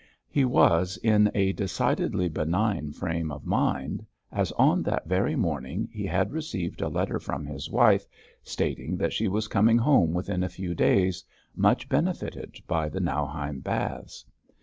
He was in a decidedly benign frame of mind, as on that very morning he had received a letter from his wife stating that she was coming home within a few days, much benefited by the Nauheim baths.